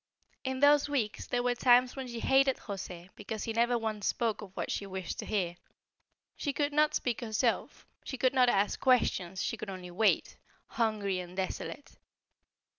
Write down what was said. In those weeks there were times when she hated José because he never once spoke of what she wished to hear. She could not speak herself she could not ask questions; she could only wait hungry and desolate.